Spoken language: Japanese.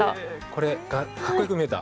これがかっこよく見えた？